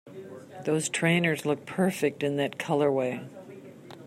Those trainers look perfect in that colorway!